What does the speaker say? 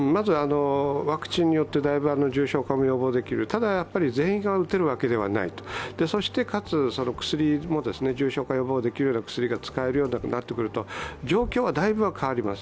ワクチンによって、だいぶ重症化も予防できるただ全員が打てるわけではないそして、かつ薬も重症化予防できる薬が使えるようになってくると状況はだいぶ変わります。